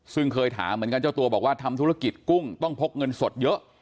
ซึ่งเคยถามเหมือนกันเจ้าตัวบอกว่าทำธุรกิจกุ้งต้องพกเงินสดเยอะ